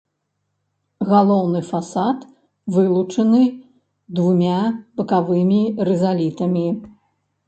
Галоўны фасад вылучаны двумя бакавымі рызалітамі.